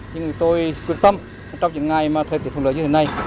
nhưng người tôi quyết tâm trong những ngày thời tiết thuận lợi như thế này